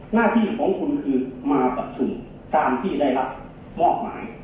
หน้าที่ของคุณคือมาปรับสูตรตามที่ได้รับมอบหมาย